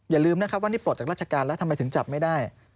อย่าลืมนะครับว่านี่ปลดจากราชการแล้วทำไมถึงจับไม่ได้